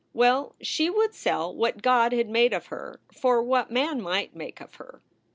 Well, she would sell what God had made of her for what man might make of her.